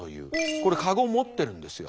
これカゴを持ってるんですよ。